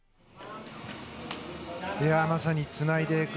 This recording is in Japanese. まさにつないでいく。